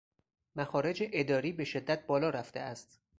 مخارج اداری به شدت بالا رفته است